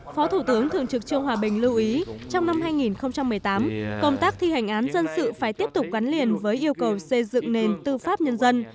phó thủ tướng thường trực trương hòa bình lưu ý trong năm hai nghìn một mươi tám công tác thi hành án dân sự phải tiếp tục gắn liền với yêu cầu xây dựng nền tư pháp nhân dân